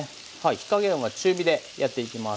火加減は中火でやっていきます。